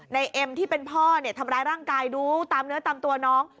เอ็มที่เป็นพ่อเนี่ยทำร้ายร่างกายดูตามเนื้อตามตัวน้อง